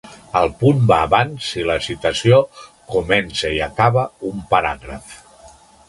El punt va abans si la citació comença i acaba un paràgraf.